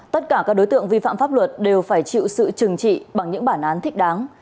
tất cả các đối tượng vi phạm pháp luật đều phải chịu sự trừng trị bằng những bản án thích đáng